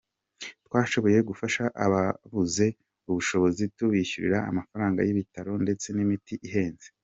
Twashoboye gufasha ababuze ubushobozi, tubishyurira amafaranga y’ibitaro ndetse n’imiti ihenze.